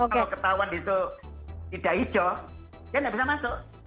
kalau ketahuan di situ tidak hijau ya tidak bisa masuk